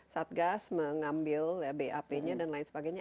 satgas mengambil bap nya dan lain sebagainya